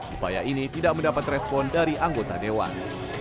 upaya ini tidak mendapat respon dari anggota dewan